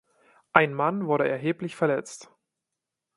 Ein Mann wurde erheblich verletzt.